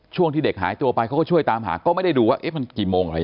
ช่วงที่เด็กหายตัวไปเขาก็ช่วยตามหาก็ไม่ได้ดูว่ามันกี่โมงอะไร